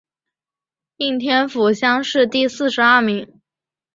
应天府乡试第四十二名。